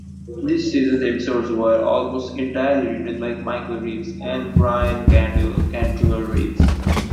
This season's episodes were almost entirely written by Michael Reaves and Brynne Chandler Reaves.